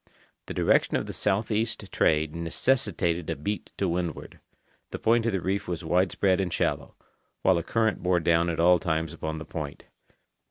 The direction of the southeast trade necessitated a beat to windward; the point of the reef was widespread and shallow; while a current bore down at all times upon the point.